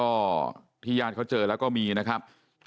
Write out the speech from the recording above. ก็ที่ญาติเขาเจอแล้วก็มีนะครับ